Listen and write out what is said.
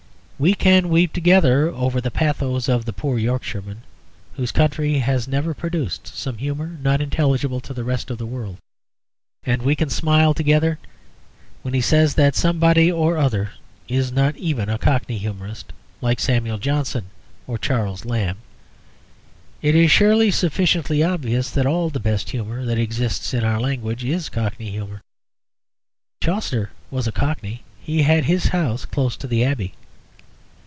We can weep together over the pathos of the poor Yorkshireman, whose county has never produced some humour not intelligible to the rest of the world. And we can smile together when he says that somebody or other is "not even" a Cockney humourist like Samuel Johnson or Charles Lamb. It is surely sufficiently obvious that all the best humour that exists in our language is Cockney humour. Chaucer was a Cockney; he had his house close to the Abbey.